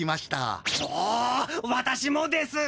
うおわたしもです！